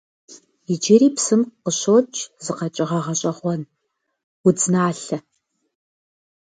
Иджыри псым къыщокӀ зы къэкӀыгъэ гъэщӀэгъуэн - удзналъэ.